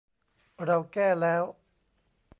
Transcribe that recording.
เราแก้แล้ว